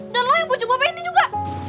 dan lo yang pujuk bapak ini juga